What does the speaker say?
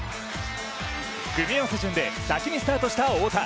組み合わせ順で先にスタートした太田。